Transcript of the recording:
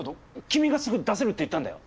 君がすぐ出せるって言ったんだよ。